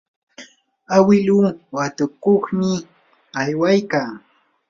awiluu watukuqmi aywaykaa.